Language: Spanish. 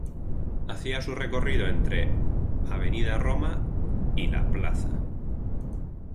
Hacía su recorrido entre av. Roma y la Pl.